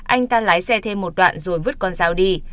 anh ta lái xe thêm một đoạn rồi vứt con dao đi